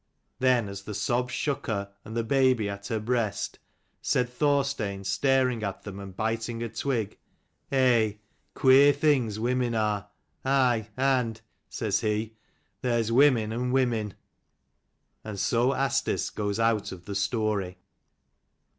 Then as the sobs shook her, and the baby at her breast, said Thorstein, staring at them, and biting a twig, " Eh, queer things women are. Aye, and," says he, " there's women and women." And so Asdis goes out of the story.